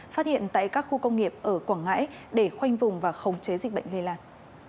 phát hiện tại các khu công nghiệp ở quảng ngãi để khoanh vùng và khống chế dịch bệnh lây lan